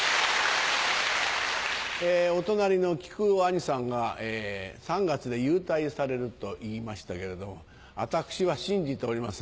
お隣の木久扇兄さんが３月で勇退されると言いましたけれどもあたくしは信じておりません。